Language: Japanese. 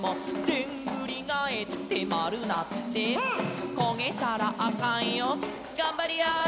「でんぐりがえってまるなって」「こげたらあかんよがんばりやー」